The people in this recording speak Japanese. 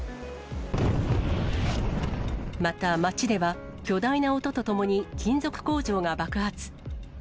また、町では巨大な音とともに金属工場が爆発。